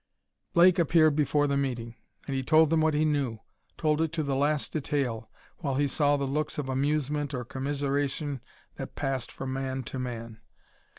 Blake appeared before the meeting, and he told them what he knew told it to the last detail, while he saw the looks of amusement or commiseration that passed from man to man.